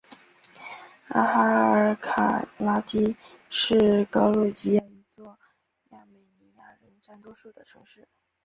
阿哈尔卡拉基是格鲁吉亚一座亚美尼亚人占多数的城市。